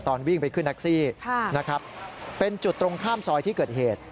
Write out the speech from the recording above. ตอนวิ่งไปขึ้นแท็กซี่นะครับเป็นจุดตรงข้ามซอยที่เกิดเหตุ